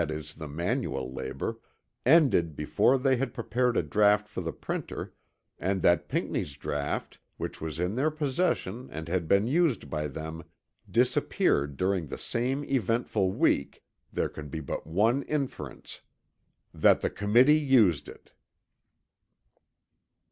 e._ their manual labor) ended before they had prepared a draught for the printer, and that Pinckney's draught which was in their possession and had been used by them, disappeared during the same eventful week, there can be but one inference that the Committee used it.